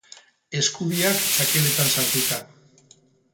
Esku biak sakeletan sartuta.